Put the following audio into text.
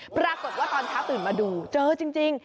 ปรากฏว่าตอนเช้าตื่นมาดูเจอจริง